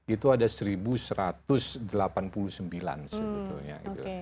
itu ada seribu satu ratus delapan puluh sembilan sebetulnya